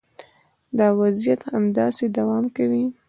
دا وضعیت همداسې دوام کوي